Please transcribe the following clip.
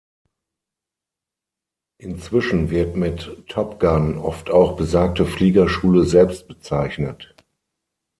Inzwischen wird mit "Top Gun" oft auch besagte Fliegerschule selbst bezeichnet.